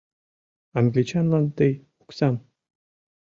Англичанлан тый оксам